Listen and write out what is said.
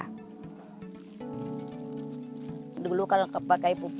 hasilnya jangan ditanya kualitas panen mereka lebih dari yang biasa